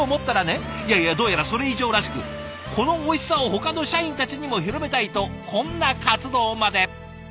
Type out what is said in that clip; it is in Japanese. いやいやどうやらそれ以上らしく「このおいしさをほかの社員たちにも広めたい」とこんな活動まで。